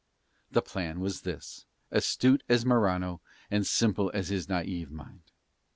The plan was this, astute as Morano, and simple as his naive mind.